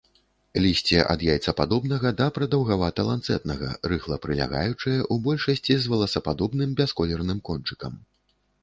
Лісце ад яйцападобнага да прадаўгавата-ланцэтнага, рыхла-прылягаючае, у большасці з воласападобным бясколерным кончыкам.